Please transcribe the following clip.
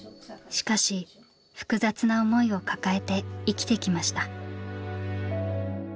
しかし複雑な思いを抱えて生きてきました。